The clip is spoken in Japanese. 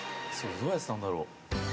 どうやってたんだろう？